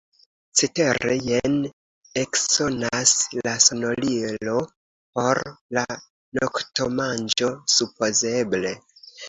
Cetere, jen eksonas la sonorilo; por la noktomanĝo, supozeble.